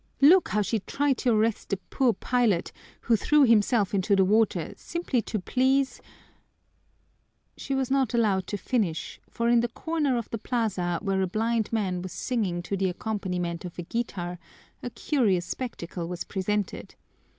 Look how she tried to arrest the poor pilot, who threw himself into the water simply to please " She was not allowed to finish, for in the corner of the plaza where a blind man was singing to the accompaniment of a guitar, a curious spectacle was presented.